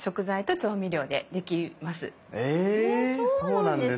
えそうなんですね。